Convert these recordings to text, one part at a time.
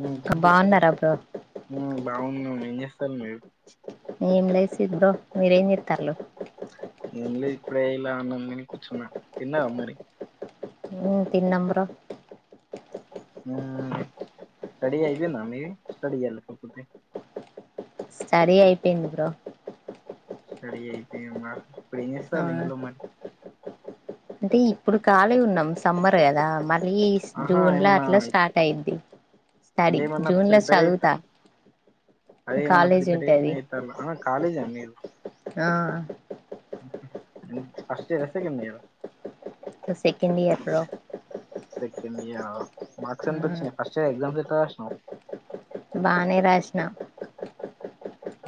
బాగు బాగున్నారా బ్రో సన్నా ఏం లేదు సిధ్ధు మీరేని తలులో ఎంలే ఇప్పుడ ఇలా అన్నం తిని కూర్చున్నా తిన్నరా మరి తిన్నాం బ్రో స్టడి అయిపోయిందా మీది లేక స్టడీ నా స్టడీ అయిపోయింది బ్రో స్టడి అయిపోంగా ఇప్పుడు ఏం చేస్తారు ఇంట్లో మరి దీ ఇప్పుడు ఖాళీ ఉన్నాం సమ్మర్ దా మరి మళ్లీ ఆహా జూన్ లో ఏమన్నా అట్లా స్టార్ట్ అయిద్ది స్టడీ అంటే ఏమన్నా జూన్ లో ప్రిపేర్ అయిత చదువుతా అదే ఏమన్నా కాలేజీ ప్రిపరేషన్ ఉంటది అయితారు కాలేజా మీరు ఆ ఫస్ట్ ఇయర్ ఆ సెకండ్ మీరు సెకండ్ ఇయర్ సెకండ్ ఇయరా మార్క్స్ ఎంత వచ్చినాయి ఫస్ట్ ఇయర్ ఎగ్జామ్స్ కా వస్తుాం బానే రాసినా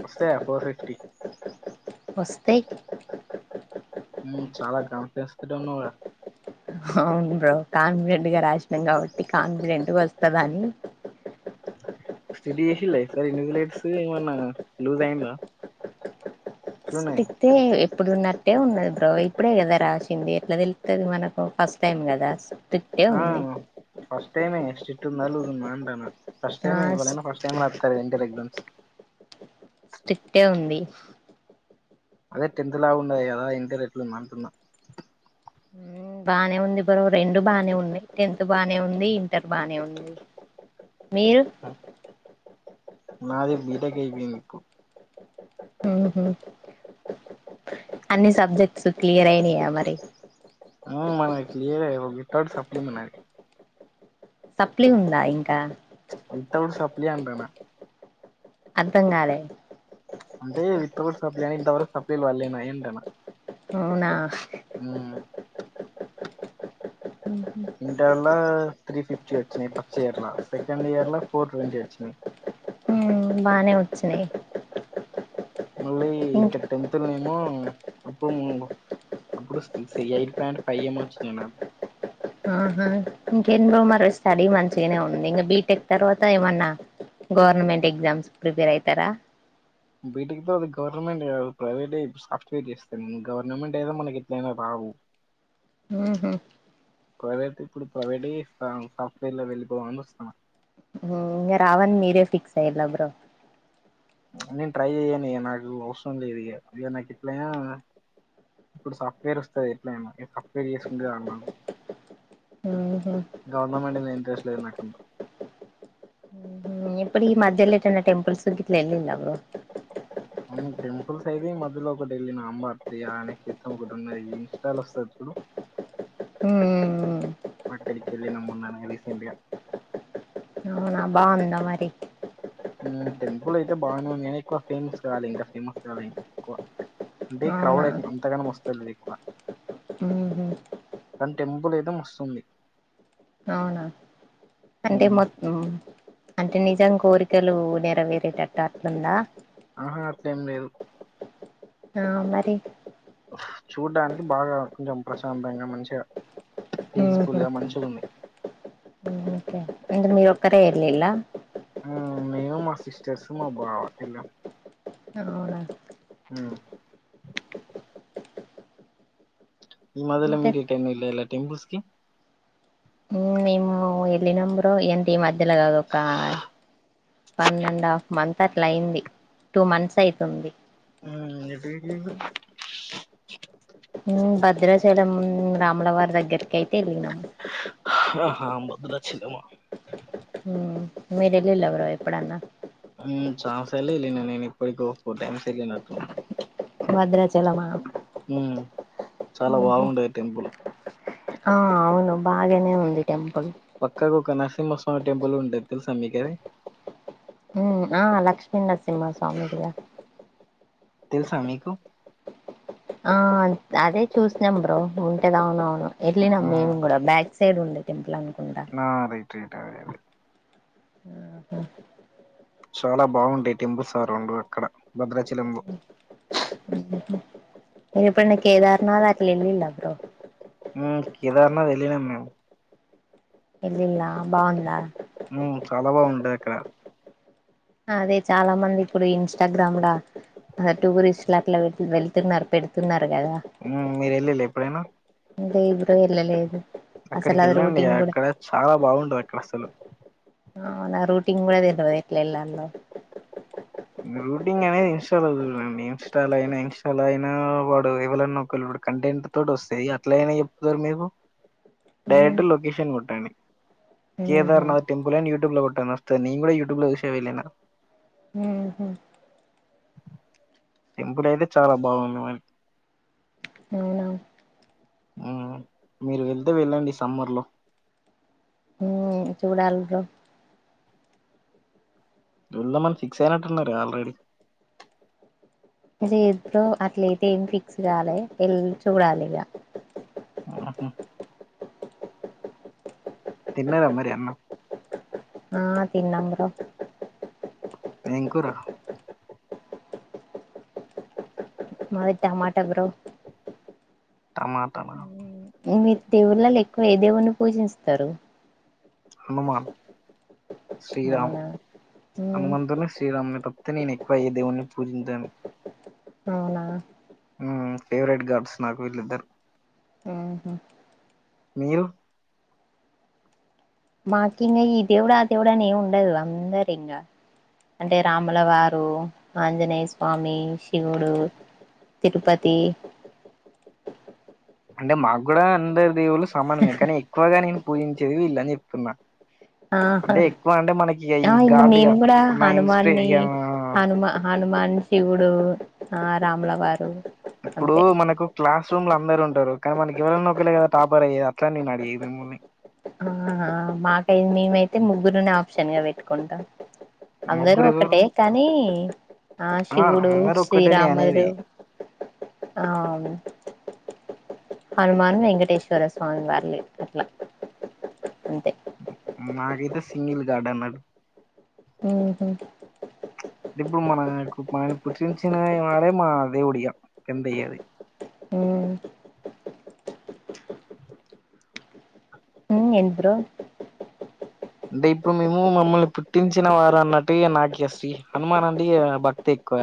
వస్తే ఫోర్ ఫిఫ్టీ వస్తాయి చాలా కాన్ఫిడెన్స్ తో ఉన్నావు ర అవును బ్రో కామిరెడ్డి గారు శ కాబట్టి కాన్ఫిడెంట్ వస తదాని స్టీ ఎ సర ఇలట్స్ ఏమన్నా లూజ్ [unintelligible] అయింద క్తే ఎప్పుడు ఉన్నట్టే ఉన్నది బ్రో ఇప్పుడే కదా రా ంది ఎట్లా తెలుతుంది మనకు ఫస్ట్ టైమ్ కదా స్టిట్టే ఆ ఉంది ఫస్ట్ టైమే స్టిట్ ఉందా లూస్ ఉందా అంటన్న ఫస్ట్ ఆ టైమే ఇవరన్న ఫస్ట్ టైమే రాస్తారు ఇంటర్ ఎక్స్మ్స్ స్ట్రిక్టే ఉంది అదే టెన్త్ లా ఉన్నది కదా ఇంటరెట్లు ఉంది అంటున్నా బాగానే ఉంది బ్రో రెండు బానే ఉన్నాయి టెన్త్ బానే ఉంది ఇంటర్ బానే ఉంది మీరు నాది బీ టెక్ అయి పోయింది ఇప్పుడు హ హ అే అన్ని సబ్జెక్ట్స్ క్లియర్ అయినియా మరి మనకి క్లియర్ వితౌట్ సప్లిమెంట్ అది సప్లి ఉందా ఇంకా ఇంతడు సప్లింటనా [unintelligible] అర్ధం కాలే అంటే విత్ కూడా సప్లై అని ఇంతవరకు సప్లైలు వాళ్ళేనా ఏంటనా [unintelligible] అవునా అ ఇంటర్ లో త్రీ ఫిఫ్టీ వచ్చినాయి ఫస్ట్ ఇయర్ లో సెకండ్ ఇయర్ లో ఫోర్ ట్వంటీ వచ్చినాయి బానే వచ్చినాయి మళ్ళీ ఇక్కడ టెన్త్లునేమో ఇంక్ అప్పు అప్పుడు ఎయిట్ పాయింట్ ఫైవ్ఎమో వచ్చినియి నాకు ఆహా ఇంకెందులో మరి స్టడీ మంచిగానే ఉంది ఇంకా బీటెక్ తర్వాత ఏమన్నా గవర్నమెంట్ ఎగ్జామ్స్ ప్రిపేర్ అయితారా బీటెక్ తర్వాత అది గవర్నమెంట్ కాదు ప్రైవేటే సాఫ్ట్వేర్ చేస్తా గవర్నమెంట్ అయితే మనకి ఎట్లయినా రావు ఉహు ప్రైవేట్ ఇప్పుడు ప్రైవేట్ గా సాఫ్ట్వేర్ వెళ్ళిపోనిస్తా ఇంక రావని మీరే ఫిక్స్ అయిలా బ్రో నేను ట్రై చెయ్యను ఇక నాకు అవసరం లేదు ఇక ఇక నాకు ఇట్లా ఇప్పుడు సాఫ్ట్వేర్ వస్తది ఎట్లయినా ఇక కంప్లీట్ చేసుకుంటే చాలు ఉహు గవర్నమెంట్ ఇంట్రెస్ట్ లేదు నా కు ఇప్పుడు ఈ మధ్యలో ఎటాన్ని టేంపుల్స్ గట్ల ఎల్ ఇండా బ్రో ఉమ్ టెంపుల్సైదే మధ్యలో ఒకటెళ్ళిన అంబర్తి ఆనే క్రితం ఒకటున్నది ఇన్ష్టాలొస్తది చూడు ఉమ్ అక్కడికెళ్ళిన మొన్ననే రీసెంట్గ. ఔన బాందా మరి ఉమ్ టెంపులైతే బానే ఉంది గాని ఎక్కువ ఫేమస్ కాలే ఇంక ఫేమస్ కావాలి ఎక్కువ. అంటె అవునా క్రౌడైతె అంతగనమొస్ [unintelligible] ఎక్కువ ఉహు కాన్ టెంపులైతే మస్తుంది. అంటె ఉమ్. మొత్తం అంటే నిజం కోరికలు నెర్ వేరేటట్టు అట్లుంద. ఆహా అట్లేం లేదు ఆ మరి. చూడ్డానికి బాగా కొంచెం ప్రశాంతంగ మంచిగ ఉహు పీస్ఫుల్గా మంచిగుంది. మరి మీరొక్కరే ఎల్లిల్ల ఉమ్ మేము మా సిస్టర్సు మా బావ యెళ్ళాం. ఔన ఉమ్ ఈ మదలో ఇంకా మీరిటేమ్ యెళ్ళలా టెంపుల్స్కి ఓ యెళ్ళినం బ్రో ఏంటి ఈ మధ్యల గాదు ఒక వన్నండాఫ్ మంత్ అట్లైంది టూ మంత్స్ అయ్తుంది. [unintelligible] ఉమ్ భద్రాచలమ్ రా అమ్మలవారి దగ్గరకైతె యెళ్ళినం. హాహ బద్రాచలమ. మీరెల్లిల్లోగడ ఎప్పుడన్న. ఉమ్ చాలా సార్లె యెళ్ళిన నేనిప్పటికో ఫోర్ టైమ్స్ వెళ్ళినట్టున్న. భద్రాచలమా. చాలా ఆహా బాగుండది టెంపుల్. ఆ ఔను బాగనే ఉంది. టెంపుల్ పక్కకొకనస్ తుమ్మ సామి టెంపులుండె తెలుసా మీకది. మ్మ్ ఆ లక్ష్మీ నరసింహస్వామిదిగా తెల్సా మీకు. ఆ అద్ అదే చూసినం బ్రో ఉంటాదా ఔనవ్ను. ఉమ్, ఎట్లైనా మేము గ్గుడా బ్యాక్ సైడుండె టెంపులనుకుంటా. ఆ, రైట్ రైట్ అదే అదే. చాలా బాగుంటాయ్ టెంపూ సారౌండు అక్కడ భద్రాచలెంబు. ఇదిప్పన్ను కేదార్నాదట్ లెళ్ళిల్ల బ్రొ ఉమ్ కేదార్నాదెళ్ళినమ్ మేము యెళ్ళిల్లా బాంద. ఉమ్ చాలా బాగుంటదక్కడ. అదే చాలా మందిప్పుడు ఇన్ష్టాగ్రామ్ల అ టూరిస్ట్ల్ అట్లవె వెళ్తున్నార్ పెడుతున్నార్. ఉమ్ మీరెళ్ళలే ప్ప్ డైనా లే బ్ర వెళ్ళలేదు అసలు అక్కడికి అది వెళ్ళండి రూటింగ్ కూడా అక్కడ చాలా బాగుంటది అసలు నా రూటీన్ కూడాట్ల ఎలా రూటింగ్ అనేది ఇన్స్టాల్ అండి ఇన్స్టాల్ అయినా ఇన్స్టాల్ అయినా వాడు ఎవరన్నా ఇడు కంటెంట్ తోటి వస్తాయి అట్ల అయినా చెప్తారు మీరు డైరెక్ట్ లొకేషన్ కొట్టండి ఊహూ కేదార్నాథ్ టెంపుల్ అని యూట్యూబ్ లో కొట్టను వస్తుంది నేను కూడా యూట్యూబ్ లో చూసే వెళ్ళిన ఊహూ టెంపుల్ అయితే చాలా బాగుందివాని అవునా ఆ మీరు వెళ్తే వెళ్ళండి సమ్మర్ లో హమ్ చూడాలి బ్రో ఇళ మన ఫిక్స్ అయినట్టున్నార ఆల్రెడీ లో అట్లయితే ఏమి ఫిక్స్ కాలి ఎల్ చూడాలి ఇక ఆహ్మ్ తిన్నార మరి అన్న అ తనామ బ్రో ఏంకురా మతే మాట బ్రో టమాటా మీరు దేవుళ్లలో ఎక్కువ ఏ దేవుని పూజిస్తారు హనుమాన్ శ్రీరామ్ అవునా మ్మ్ హనుమాన్ తనే శ్రీరామ్ని పతే నేను ఎక్కువ ఏ దేవుడిని పూజించాను అవునా ఫేవరెట్ గార్డ్స్ నాకు వీళ్ళిద్దరు ఆహా మీరు మాకి ఈ దేవడ్ చూడ ఏమి ఉండదు అందరి ఇంకా అంటే రాముల వారు ఆంజనేయ స్వామి శివుడు తిరుపతి అంటే మాకు కూడా అందరు దేవులు సమానమే కానీ ఎక్కువగా నేను పూజించేదివి ఇల్లని చెప్తున్నాను ఆహా ఆ ఇకా గాడ్ ఇగ మేము కూడా నా హనుమా ఇన్స్పి ని ఇగ హనుమా హనుమాన్ శివుడు ఆ రాముల వారు ఇప్పుడు అంతే మనకు క్లాస్ రూమ్లు అందరు ఉంటారు కానీ మనకి ఎవరన్నా ఒకేలే కదా టాపర్ అయ్యది అట్ల నేను అడిగేదిని ఆ మాకై మేమైతే ముగ్గురునే ఆప్షన్ గా పెట్టుకుంటా అందరూ ముగ్గురు ఎవరు ఒకటే కానీ ఆ శివుడు అందరు ఒక్కటే నే అనేది శ్రీరాముడు ఆ హనుమన్ వెంకటేశ్వర స్వామి వర్లేలా అంతే మకి ఇతే సింగల్ గార్డన్ హమ్ దిప్పుడు మ నా మ పుట్టినంచినవి వాడే మా దేవుడిక ఒడి ఎంతయది హ హమ్ ఏం బ్రో అంటే ఇప్పుడు మేము మమ్మల్ని పుట్టించిన వారు అన్నట్టు నాక శ్రీ హనుమాన్ అంటే భక్తి ఎక్కువ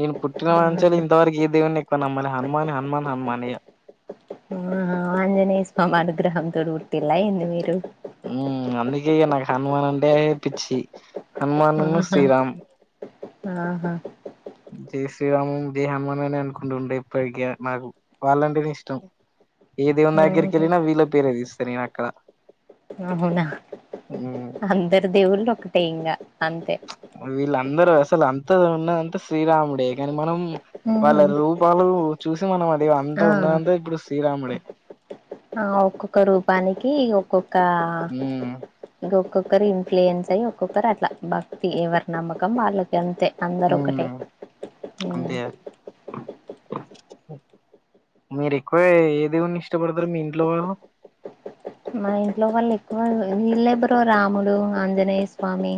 నేను పుట్టిన అంచిలో ఇంతవరకు ఏ దేవుని ఎక్కువ నమ్మాల హనుమాన్ హనుమాన్ హనుమాన్ నేయ స్వామి అనుగ్రహం తో పుట్టిల్లా ఏంది మీరు ఉం అందుకే ఇగ నాకు హనుమాన్ అంటేేప్పిచ్చి హనుమానున్ను ఆహా శ్రీరామ్ ఆహా జయ శ్రీరామం జయ హమాన్ అనే అనుకుంటుంట ఎప్పడిక నాకు వాళ్ళంటే ఇష్టం ఏ దేవుని దగ్గరికి ఉహు వెళ్ళినా వీళ్ళ పేరేది తీస్తా నేను అక్కడ అహునా మ్మ్ అందరి దేవుళ్ళ ఒకటే ఇంగా అంతే అందరు అసలు అంత ఉన్నదంతా శ్రీరాముడే కనీ మనం వాళ్ళ రూపాలు చూసి మనం ఇగ అంత ఆ ఉన్నందా ఇప్పుడు శ్రీరాముడే ఆ ఒక్కొక్క రూపానికి ఒక్కొ కా ఉమ్ ఇంకో ఒక్కొక్కరు ఇన్ఫ్లుయెన్స్ అయ్యి ఒక్కొక్కరు అట్లా భక్తి ఎవరి నమ్మకం వాళ్ళకి అంతే అందరు ఉం ఒకటే అంతే అది మీరు ఎక్కువ ఏదేవున్నా ఇష్టపడతరు మీ ఇంట్లో వాళ్ళు మా ఇంట్లో వాళ్ళు ఎక్కువ వీల్లె బ్రో రాముడు ఆంజనేయ స్వామి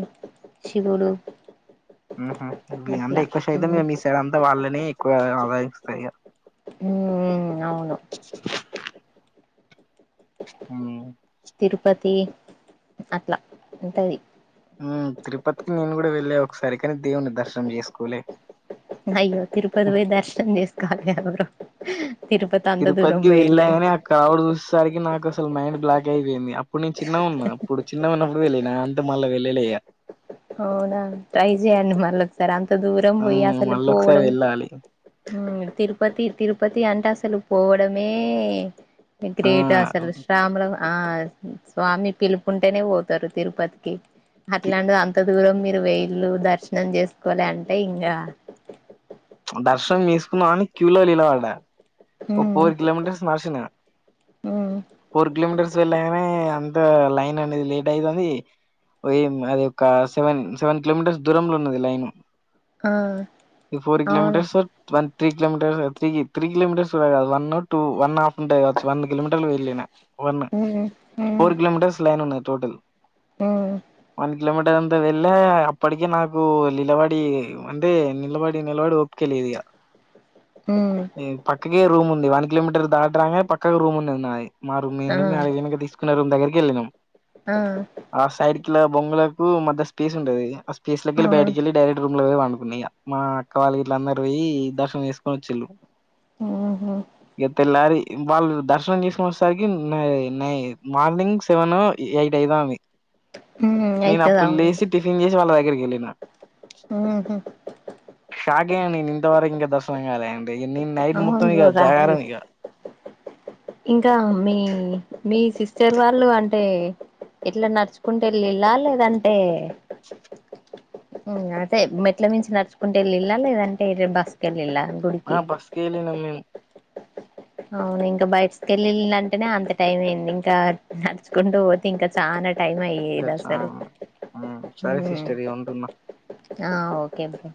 శివుడు ఉమ్మ్ హు అండె అట్లా ఎక్కువ సైతం మీ మ్మ్ మిస్ ఇక్కడంతా వాళ్ళని ఎక్కువ ఆదయిస్తా ఇగ మ్మ్ అవును ఉం తిరుపతి అట్లా ఉంటది ఉం తిరుపతికి నేను కూడా వెళ్ళా ఒకసారి కాని దేవుని దర్శనం చేసుకోలే అయ్యో తిరుపతి పోయి దర్శనం చేస్ కాల [unintelligible] తిరుపతికి వెళ్ళా కని ఆ కావుడు చూసేసరికి నాక సలు మైండ్ బ్లాక్ అయిపోయింది అప్పుడు నేను చిన్న గున్నా అప్పుడు చిన్నగున్నప్పుడు వెళ్లిన అంత మళ్ళ వెళ్ళలే ఇగ అవునా ట్రై చేయ్యండి మళ్ళ సర అం త దూరం పోయి హ్మ్ అసలు మళ్ళొకసారి పోవడం వెళ్ళాలి ఉం తిరుపతి తిరుపతి అంటే అసలు పోవడమే ఆ గ్రేట్ అసలు శ్రాముల ఆ స్వామి పిలుపుంటేనే పోతారు తిరుపతికి తి- అట్లాంటిది అం దురం మీరు పోయిల్లు దర్శనం చేసుకోలే అంటే ఇంగ దర్శనం చేసుకున్నాఅని క్యూలోలిల పడ్డ ఒ మ్మ్ పోరు కిలో మీటర్స్ నరసిన ఉమ్ ఫోర్ కిలోమీటర్స్ వెళ్ళగానే అంత లైన్ అనేది లేట్ అయితుంది అది ఒక సెవెన్ సెవెన్ కిలోమీటర్స్ దూరంలో ఉన్నది లైన్ ఆ ఫోర్ అవును కిలోమీటర్ స్ సార్ వన్ త్రీ కలోమీటర్స్ త్రీకి త్రీ కిలోమీటర్స్ కాదు అది వన్ ఒ టూ వన్ హఫ్ ఉంటది కావచు వన్ కిలోమీటర్ లు వెళ్ళిన వన్ ఉమ్ ఉమ్ ఫోర్ కిలోమీటర్స్ లైన్ ఉన్నాయి టోటల్ ఉమ్ వన్ కిలోమీటర్ అంతా వెళ్ళే అప్పటికే నాకు నిలవాడి అంటే నిలవాడి నిలవాడి ఒపిక లేదు ఉమ్ ఇ పక్కకే రూమ్ ఉంది వన్ కిలోమీటర్ దాట్రానికి పక్కకు రూమ్ ఉన్నది నాది మా రూమ్ ఆ ఏంటే మేము అడిగక తీసుకునే రూమ్ దగ్గరకి వెళ్ళినాము ఆ ఆ సైడ్కిలా బొంగులకు మధ్య స్పేస్ ఉంటది ఆ స్పెస్ కిళ్ అవును బయటకిళ్ళి డైరెక్ట్ రూమ్ లో వండుకున్నాయి మా అక్క వాళ్ళ ఇట్ల అన్నరు పోయి దర్శనం చేసుకొని వచ్చిళ్ళు ఉహు ఇక తెల్లారి వాళ్ళు దర్శనం చేసుకొని వస్ సరికి న నై మార్నింగ్ సెవెన్ ఎయిట్ అయితాంది ఉమ్ నేను అయితది అప్పుడు అవును లేసి టిఫిన్ చేసి వాళ్ళ దగ్గరికి ఎల్లిన అహ షాగేన నిన్ ఇంతవరకు ఇంకా దర్శనంగాలే అని ఇగ నెన్ నైట్ అవును మొత్తం బ్రో ఇక రాదు జాగారం ఇక ఇంకా మీ మీ సిస్టర్ వాళ్ళు అంటే ఎట్లా నడుచుకుంటే ఎళ్ళిలా లేదంటే ఊ అదే మెట్ల మించి నడుచుకుంటే వెళ్ళిల్ళా లేదంటే బస్సు ఎళ్ళిళ్ళ ఆ బస్కి వెళ్ళినం మేం అవును ఇంకా బస్ కెళ్ళళంటేనే అంత టైం అయింది ఇంకా నడుచుకుంటూ పోతే ఇంకా చానా టైం ఇంకా అయ్యేది అసలు చానా ఆ సరే సిస్టర్ ఇగ ఉంటున్నా ఆ ఓకే బ్రో